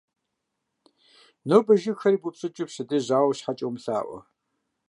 Нобэ жыгхэр ибупщӀыкӀу, пщэдей жьауэ щхьа умылъаӀуэ.